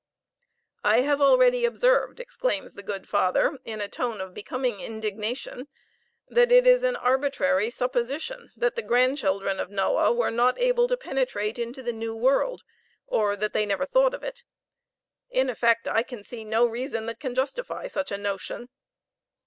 "I have already observed," exclaims the good father, in a tone of becoming indignation, "that it is an arbitrary supposition that the grandchildren of Noah were not able to penetrate into the new world, or that they never thought of it. In effect, I can see no reason that can justify such a notion.